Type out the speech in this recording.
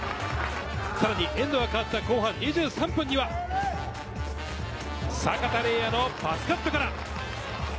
さらにエンドが変わった後半２３分には阪田澪哉のパスカットから。